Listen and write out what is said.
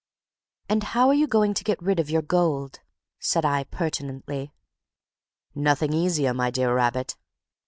"And how are you going to get rid of your gold?" said I, pertinently. "Nothing easier, my dear rabbit."